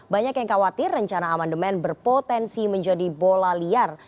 banyak yang khawatir rencana amandemen berpotensi menjadi bola liar